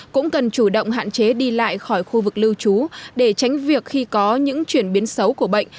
cũng cần chủ động hạn chế đi lại khỏi khu vực lưu trú để tránh việc khi có những chuyển biến xấu của bệnh